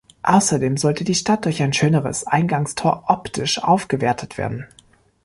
Außerdem sollte die Stadt durch ein schöneres "Eingangstor" optisch aufgewertet werden.